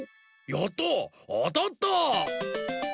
やったあたった！